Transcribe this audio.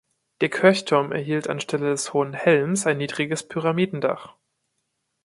Der Kirchturm erhielt anstelle des hohen Helms ein niedriges Pyramidendach.